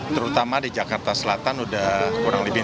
terutama di jakarta selatan sudah kurang lebih